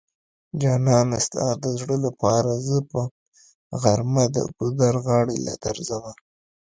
جانانه ستا د زړه لپاره زه په غرمه د ګودر غاړی له درځمه